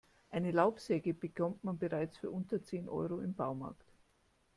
Eine Laubsäge bekommt man bereits für unter zehn Euro im Baumarkt.